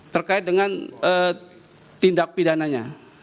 terkait dengan tindak pidananya